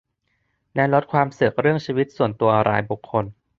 และลดความเสือกเรื่องชีวิตส่วนตัวรายบุคคล